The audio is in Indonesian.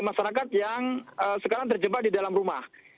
masyarakat yang sekarang terjebak di dalam rumah